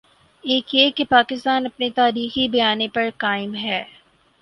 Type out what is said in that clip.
ایک یہ کہ پاکستان اپنے تاریخی بیانیے پر قائم ہے۔